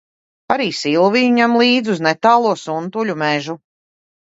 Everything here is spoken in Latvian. Arī Silviju ņem līdzi uz netālo Suntuļu mežu.